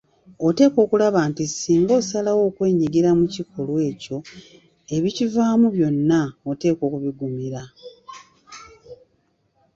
Oteekwa okulaba nti singa osalawo okwenyigira mu kikolwa ekyo ebikivaamu byonna oteekwa okubigumira.